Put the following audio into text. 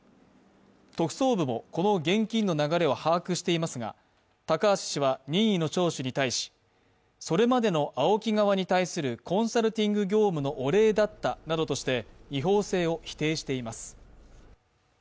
特捜部もこの現金の流れを把握していますが、高橋氏は、任意の聴取に対し、それまでのＡＯＫＩ側に対するコンサルティング業務のお礼だったなどとして、違法性を否定しています。